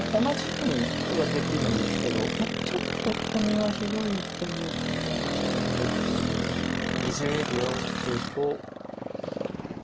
同じようにはできるんですけどちょっと含みは広いということなんですけど。